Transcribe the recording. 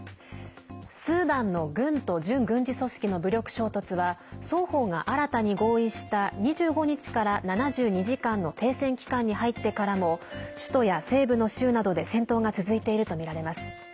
スーダンの軍と準軍事組織の武力衝突は双方が新たに合意した２５日から７２時間の停戦期間に入ってからも首都や西部の州などで戦闘が続いているとみられます。